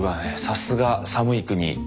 さすが寒い国。